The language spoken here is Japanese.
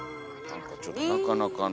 何かちょっとなかなかの。